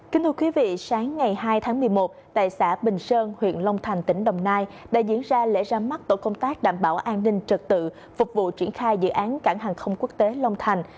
kính thưa quý vị sáng ngày hai tháng một mươi một tại xã bình sơn huyện long thành tỉnh đồng nai đã diễn ra lễ ra mắt tổ công tác đảm bảo an ninh trật tự phục vụ triển khai dự án cảng hàng không quốc tế long thành